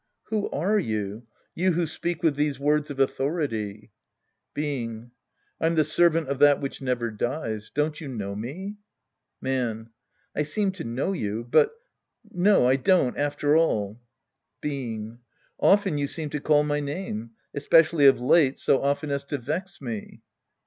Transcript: Who are you ? You \Vho speak with these words of authority ? Being. I'm the servant of that which never dies. Don't you know me ? Man. I seem to know you, but — no, I don't, after all. Being. Often you seem to call my name. Espe cially of late, so often as to vex me.